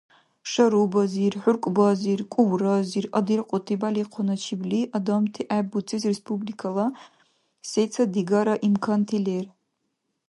Шарубазир, хӀуркӀбазир, кӀувразир адилкьути бялихъуначибли адамти гӀеббуцес республикала сецад-дигара имканти лер.